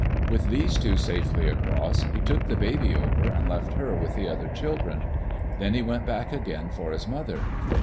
With those two safely across, he took the baby over and left her with the other children. Then he went back again for his mother.